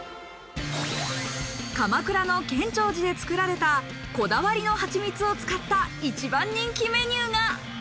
鎌倉の建長寺で作られたこだわりのはちみつを使った一番人気メニューが。